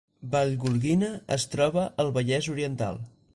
Vallgorguina es troba al Vallès Oriental